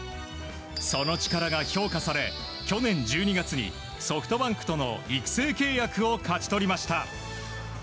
その力が評価され去年１２月にソフトバンクとの育成契約を勝ち取りました。